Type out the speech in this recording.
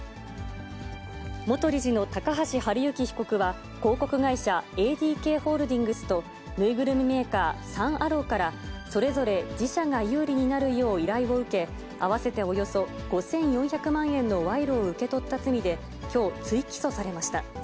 元理事の高橋治之被告は、広告会社、ＡＤＫホールディングスと縫いぐるみメーカー、サン・アローからそれぞれ自社が有利になるよう依頼を受け、合わせておよそ５４００万円の賄賂を受け取った罪で、きょう、追起訴されました。